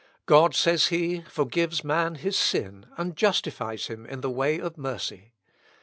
"God," says he, "forgives man his sin, and justifies him in the way of mercy.